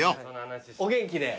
お元気で。